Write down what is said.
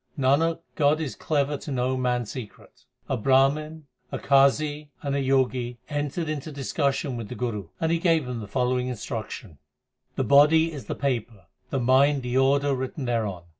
Nanak, God is clever to know man s secret. A Brahman, a Qazi, and a Jogi entered into dis cussion with the Guru, and he gave them the following instruction : The body is the paper, the mind the order written thereon.